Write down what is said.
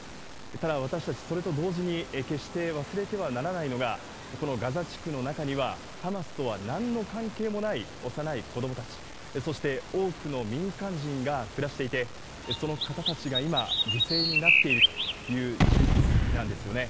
ただ、私たち、それと同時に決して忘れてはならないのが、このガザ地区の中には、ハマスとはなんの関係もない幼い子どもたち、そして、多くの民間人が暮らしていて、その方たちが今、犠牲になっているという事実なんですよね。